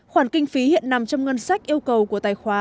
khoản kinh phí hiện nằm trong ngân sách yêu cầu của tài khoá